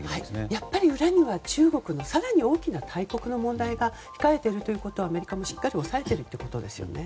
やっぱり裏には中国更に大きな大国の問題が控えていることをアメリカもしっかり押さえているということですね。